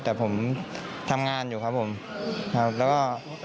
แต่ผมทำงานอยู่ครับผมครับแล้วก็